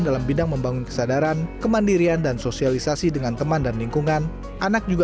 dalam bidang membangun kesadaran kemandirian dan sosialisasi dengan teman dan lingkungan anak juga